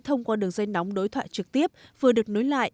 thông qua đường dây nóng đối thoại trực tiếp vừa được nối lại